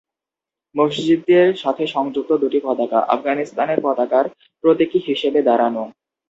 মসজিদের সাথে সংযুক্ত দুটি পতাকা, আফগানিস্তানের পতাকার প্রতীকী হিসেবে দাঁড়ানো।